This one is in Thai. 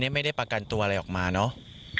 ไม่ได้ประกันตัวอะไรออกมาเนอะ